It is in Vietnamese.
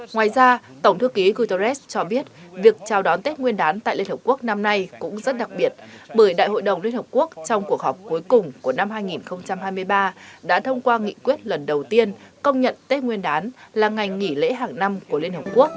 ngoài ra tổng thư ký guterres cho biết việc chào đón tết nguyên đán tại liên hợp quốc năm nay cũng rất đặc biệt bởi đại hội đồng liên hợp quốc trong cuộc họp cuối cùng của năm hai nghìn hai mươi ba đã thông qua nghị quyết lần đầu tiên công nhận tết nguyên đán là ngày nghỉ lễ hàng năm của liên hợp quốc